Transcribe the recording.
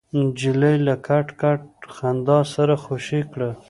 نجلۍ له کټ کټ خندا سره خوشې کړ.